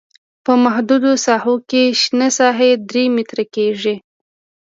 په محدودو ساحو کې شنه ساحه درې متره کیږي